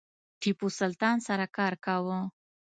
ټیپو سلطان سره کار کاوه.